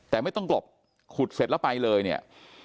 แต่ไม่ต้องกลบขุดเสร็จแล้วไปเลยเนี่ย